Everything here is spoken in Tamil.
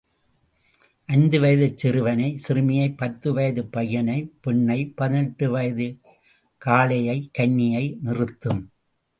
ஐந்து வயதுச் சிறுவனை, சிறுமியை பத்து வயதுப் பையனை பெண்ணை, பதினெட்டு வயது காளையை கன்னியை நிறுத்தும்.